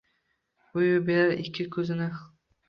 Uyib berar ikki kuzini